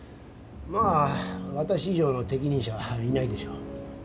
まあ私以上の適任者はいないでしょう。